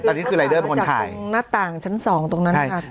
อันนี้คือรายเดอร์บนทางตรงหน้าต่างชั้นสองตรงนั้นค่ะ